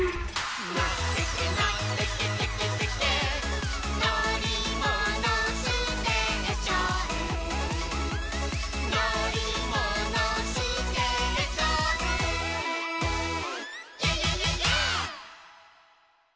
「のってけのってけテケテケ」「のりものステーション」「のりものステーション」「イエイイエイイエイイエイ！」